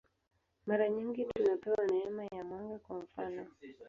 Mara nyingi tunapewa neema ya mwanga, kwa mfanof.